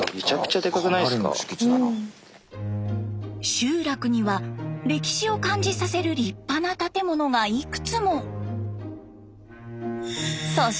集落には歴史を感じさせる立派な建物がいくつも。